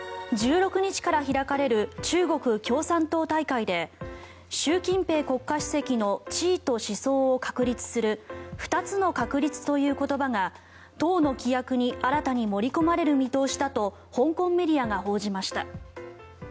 １６日から開かれる中国共産党大会で習近平国家主席の地位と思想を確立する二つの確立という言葉が党の規約に新たに盛り込まれる見通しだと香港メディアが報じました。